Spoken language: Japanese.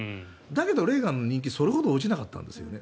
だけど、レーガンの人気それほど落ちなかったんですよね。